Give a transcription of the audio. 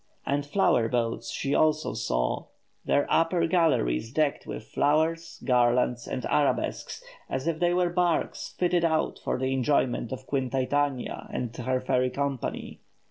And flower boats she also saw; their upper galleries decked with flowers, garlands, and arabesques, as if they were barks fitted out for the enjoyment of Queen Titania and her fairy company.